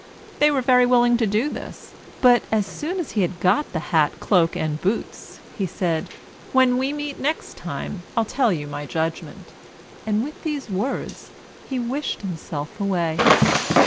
They were very willing to do this; but, as soon as he had got the hat, cloak, and boots, he said: "When we meet next time, I'll tell you my judgment," and with these words he wished himself away.